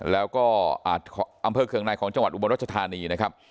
แล้วก็อำเภอเคืองในของจังหวัดอุบลรัชธานีนะครับ